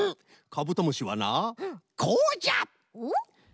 カブトムシはなこうじゃ！